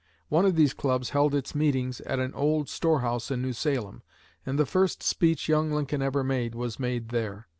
One of these clubs held its meetings at an old store house in New Salem, and the first speech young Lincoln ever made was made there.